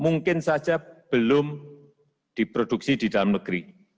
mungkin saja belum diproduksi di dalam negeri